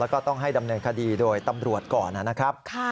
แล้วก็ต้องให้ดำเนินคดีโดยตำรวจก่อนนะครับ